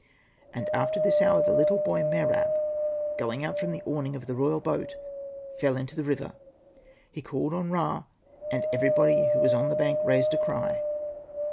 And after this hour, the little boy Mer ab, going out from the awning of the royal boat^ fell into the river : he called on Ra, and everybody who was on the bank raised a cry.